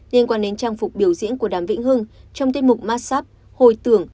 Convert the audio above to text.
liên quan đến trang phục biểu diễn của đàm vĩnh hưng trong tiết mục massap hồi tưởng